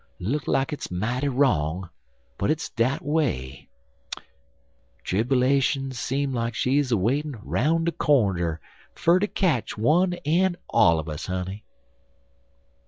Look like hit's mighty wrong; but hit's des dat away. Tribbalashun seem like she's a waitin' roun' de cornder fer ter ketch one en all un us, honey."